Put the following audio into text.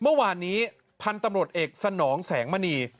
เมื่อวานนี้พันธุ์ตำรวจเอกสนองแสงมณี